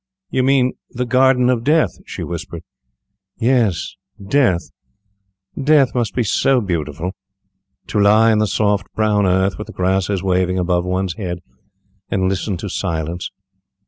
"You mean the Garden of Death," she whispered. "Yes, death. Death must be so beautiful. To lie in the soft brown earth, with the grasses waving above one's head, and listen to silence.